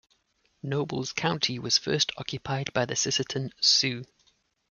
Nobles County was first occupied by the Sisseton Sioux.